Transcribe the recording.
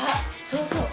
そうそう。